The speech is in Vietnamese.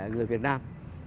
người việt nam